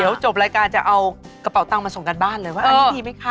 เดี๋ยวจบรายการจะเอากระเป๋าตังค์มาส่งกันบ้านเลยว่าอันนี้ดีไหมคะ